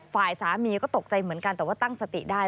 ฝ่ายสามีก็ตกใจเหมือนกันแต่ว่าตั้งสติได้